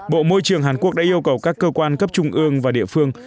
bộ môi trường hàn quốc đã yêu cầu các cơ quan cấp trung ương và địa phương